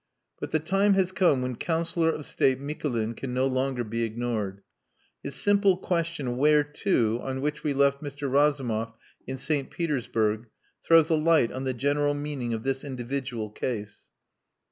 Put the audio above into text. But the time has come when Councillor of State Mikulin can no longer be ignored. His simple question "Where to?" on which we left Mr. Razumov in St. Petersburg, throws a light on the general meaning of this individual case.